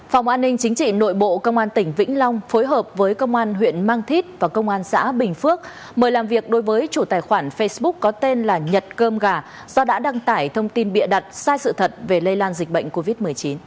phòng an ninh chính trị nội bộ công an tỉnh vĩnh long phối hợp với công an huyện mang thít và công an xã bình phước mời làm việc đối với chủ tài khoản facebook có tên là nhật cơm gà do đã đăng tải thông tin bịa đặt sai sự thật về lây lan dịch bệnh covid một mươi chín